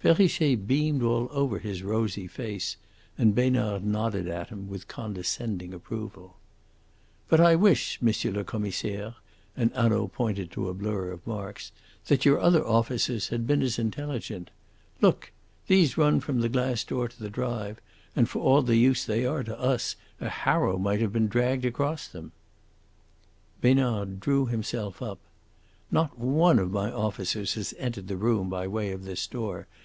Perrichet beamed all over his rosy face, and Besnard nodded at him with condescending approval. "But I wish, M. le Commissaire" and Hanaud pointed to a blur of marks "that your other officers had been as intelligent. Look! These run from the glass door to the drive, and, for all the use they are to us, a harrow might have been dragged across them." Besnard drew himself up. "Not one of my officers has entered the room by way of this door.